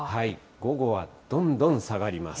午後はどんどん下がります。